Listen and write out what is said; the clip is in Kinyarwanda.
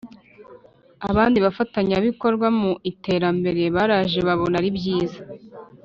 abandi bafatanyabikorwa mu iterambere baraje babona ari byiza